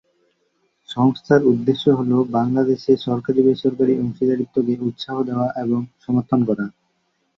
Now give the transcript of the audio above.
সংস্থার উদ্দেশ্য হ'ল বাংলাদেশে সরকারী-বেসরকারী অংশীদারত্ব কে উৎসাহ দেওয়া এবং সমর্থন করা।